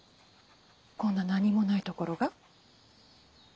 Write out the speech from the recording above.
こんな何もないところが？